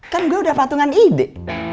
kan gue udah patungan ide